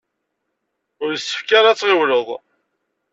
Ur yessefk ara ad tɣiwleḍ.